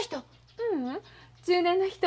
ううん中年の人。